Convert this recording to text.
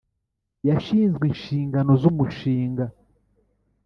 yashinzwe inshingano z'umushinga.